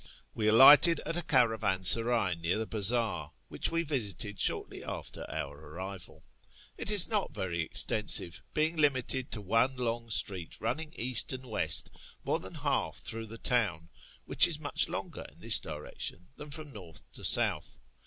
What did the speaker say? We alighted at a caravansaray near the bazaar, which we visited shortly after our arrival. It is not very extensive, being limited to one long street running east and west more than half through the town (which is much longer in this direction than from north to south).